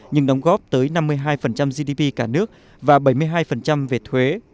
nhưng đóng góp tới năm mươi hai gdp cả nước và bảy mươi hai về thuế